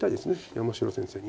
山城先生に。